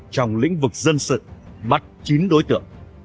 trong lĩnh vực dân sự bắt chín đối tượng